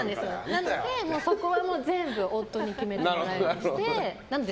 なのでそこは全部夫に決めてもらうので。